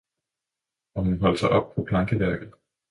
- og hun holdt sig op til plankeværket.